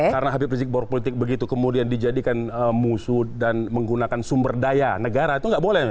karena habib rizieq bahwa politik begitu kemudian dijadikan musuh dan menggunakan sumber daya negara itu nggak boleh